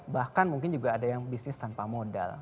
bahkan mungkin juga ada yang bisnis tanpa modal